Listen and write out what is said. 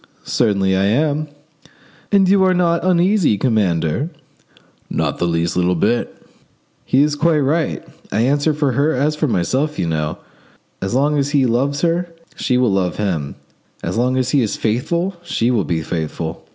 "Certainly I am." "And you are not uneasy, commander?" "Not the least little bit." "He is quite right. I answer for her as for my self, you know; as long as he loves her she will love him; as long as he is faithful she will be faithful.